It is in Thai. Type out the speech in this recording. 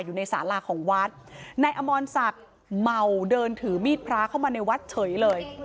อยู่ในสาราของวัดนายอมรศักดิ์เมาเดินถือมีดพระเข้ามาในวัดเฉยเลย